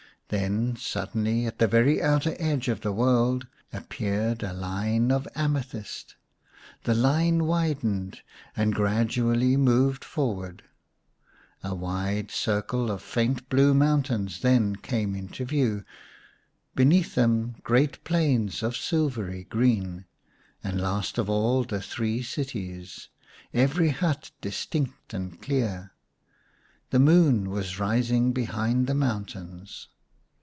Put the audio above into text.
Then suddenly, at the very outer edge of the world, appeared a line of amethyst. The line widened and gradually moved forward. A wide circle of faint blue mountains then came into view, beneath them great plains of silvery green, and last of all the three cities, every hut distinct and clear. The moon was rising behind the mountains.